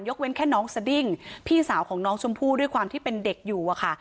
เว้นแค่น้องสดิ้งพี่สาวของน้องชมพู่ด้วยความที่เป็นเด็กอยู่อะค่ะ